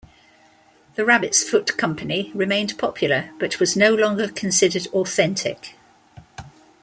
The Rabbit's Foot Company remained popular, but was no longer considered authentic.